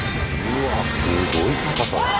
うわっすごい高さだな。